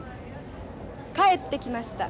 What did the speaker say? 帰ってきました。